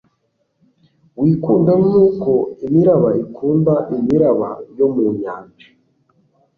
Wikunde nkuko imiraba ikunda imiraba yo mu nyanja